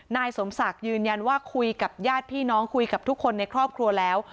นายสมศักดิ์ยืนยันว่าคุยกับญาติพี่น้องคุยกับทุกคนในครอบครัวแล้ว